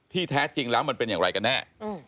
แท้จริงแล้วมันเป็นอย่างไรกันแน่